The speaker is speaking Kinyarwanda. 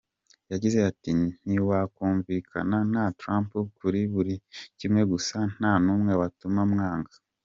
Yagize ati “Ntiwakumvikana na Trump kuri buri kimwe gusa nta numwe watuma mwanga.